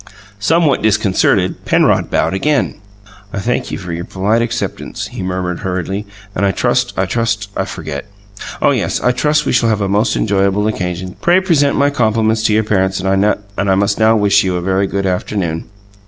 Somewhat disconcerted, Penrod bowed again. "I thank you for your polite acceptance," he murmured hurriedly; "and I trust I trust I forget. Oh, yes I trust we shall have a most enjoyable occasion. Pray present my compliments to your parents; and I must now wish you a very good afternoon."